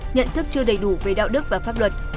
nhận thức chưa đầy đủ về đạo đức và pháp luật